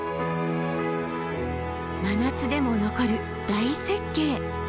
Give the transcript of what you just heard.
真夏でも残る大雪渓！